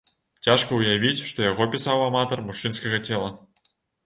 Цяжка ўявіць, што яго пісаў аматар мужчынскага цела.